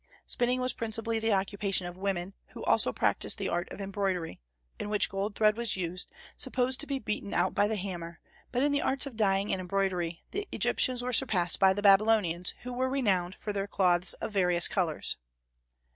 Spinning was principally the occupation of women, who also practised the art of embroidery, in which gold thread was used, supposed to be beaten out by the hammer; but in the arts of dyeing and embroidery the Egyptians were surpassed by the Babylonians, who were renowned for their cloths of various colors.